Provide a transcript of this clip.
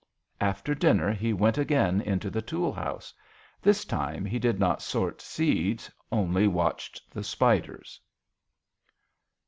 After dinner he went again into the tool house. This time he did not sort seeds only watched the spiders.